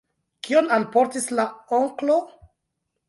Kion alportis la onklo?